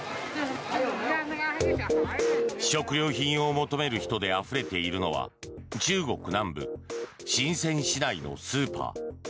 食料品を求める人であふれているのは中国南部シンセン市内のスーパー。